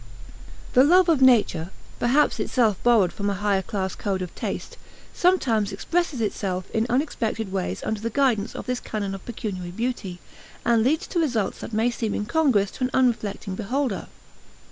The love of nature, perhaps itself borrowed from a higher class code of taste, sometimes expresses itself in unexpected ways under the guidance of this canon of pecuniary beauty, and leads to results that may seem incongruous to an unreflecting beholder.